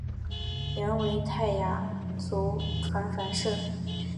原为泰雅族芃芃社。